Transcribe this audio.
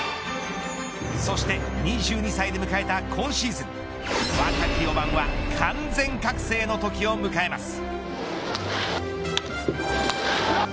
そして２２歳で迎えた今シーズン若き４番は完全覚醒のときを迎えます。